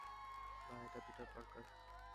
না, এটা Peter Parker.